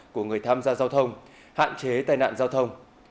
của người tham gia giao thông hạn chế tai nạn giao thông